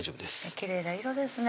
きれいな色ですね